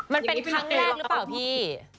มันเป็นครั้งแรกหรือเปล่าพี่